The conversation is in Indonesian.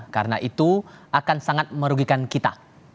karena itu akan sangat merugikan kita